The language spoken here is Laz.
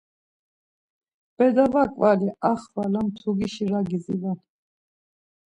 Bedava ǩvali arxvala mtugişi ragis iyen.